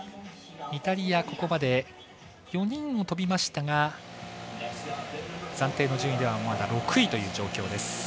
イタリアここまで４人が飛びましたが暫定の順位では６位という状況です。